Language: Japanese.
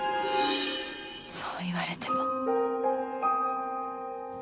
そう言われても。